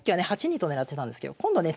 ８二と金狙ってたんですけど今度ね